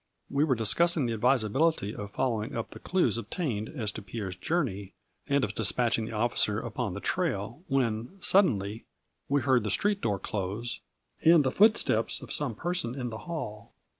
We were discussing the advisability of follow ing up the clues obtained as to Pierre's journey, 192 A FLURRY IN DIAMONDS. and of dispatching the officer upon the trail when, suddenly, we heard the street door close and the footsteps of some person in the hall.